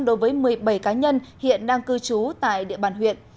đối với một mươi bảy cá nhân hiện đang cư trú tại địa bàn huyện